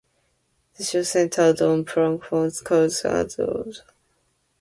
The show centered on prank phone calls and off-the-wall comedy sketches.